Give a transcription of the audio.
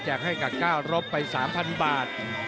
ให้กับก้าวรบไป๓๐๐บาท